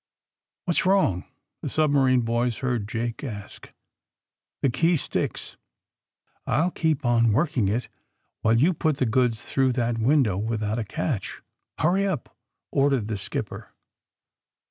'^What's wrong r' the submarine boys heard Jake ask. *'The key sticks. I'll keep on working it, while you put the goods through that window without a catcho Hurry up !'' ordered the skip per.